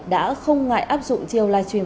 đã không ngại áp dụng chiêu live stream